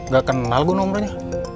gak kenal gue nomernya